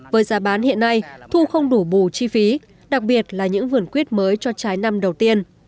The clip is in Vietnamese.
với giá bán hiện nay thu không đủ bù chi phí đặc biệt là những vườn quyết mới cho trái năm đầu tiên